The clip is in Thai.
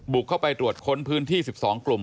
บุกเข้าไปตรวจค้นพื้นที่สิบสองกลุ่ม